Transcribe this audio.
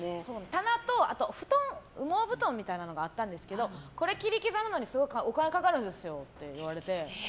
棚と羽毛布団みたいなのがあったんですけどこれ切り刻むのにすごいお金かかるんですよって言われて。